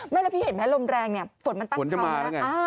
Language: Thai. ไม่พี่เห็นไหมลมแรงฝนจะมา